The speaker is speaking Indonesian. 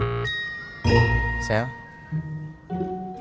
aku mau ke rumah